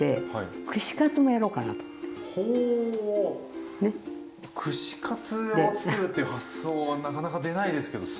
ほ串カツをつくるっていう発想はなかなか出ないですけどすごいですね。